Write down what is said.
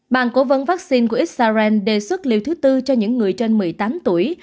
bàn cố vấn vaccine của israel đề xuất liều thứ tư cho những người trên một mươi tám tuổi